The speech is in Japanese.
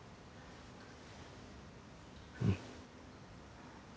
うん。